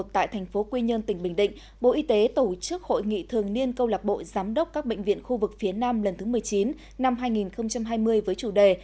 tại thành phố quy nhơn tỉnh bình định bộ y tế tổ chức hội nghị thường niên câu lạc bộ giám đốc các bệnh viện khu vực phía nam lần thứ một mươi chín năm hai nghìn hai mươi với chủ đề